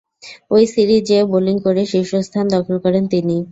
ঐ সিরিজে বোলিং গড়ে শীর্ষস্থান দখল করেন তিনি।